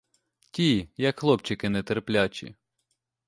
Ті, як хлопчики нетерплячі.